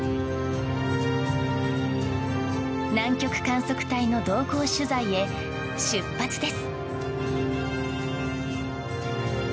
南極観測隊の同行取材へ出発です。